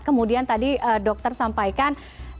kemudian tadi dokter sampaikan